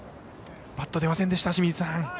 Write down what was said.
バット出ませんでした。